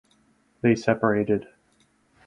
They separated.